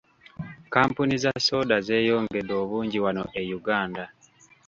Kkampuni za soda zeeyongedde obungi wano e Uganda.